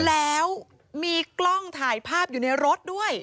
แล้วมีกล้องถ่ายภาพอยู่ในรถด้วย